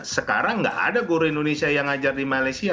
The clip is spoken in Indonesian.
sekarang tidak ada guru indonesia yang mengajar di malaysia